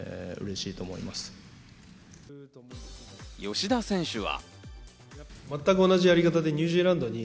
吉田選手は。